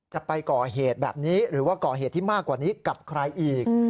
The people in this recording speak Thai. จะไปก่อเหตุแบบนี้หรือว่าก่อเหตุที่มากกว่านี้กับใครอีก